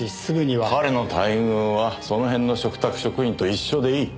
彼の待遇はその辺の嘱託職員と一緒でいい。